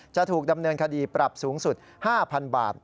จะถูกดำเนินคดีปรับสูงสุด๕๐๐๐บาท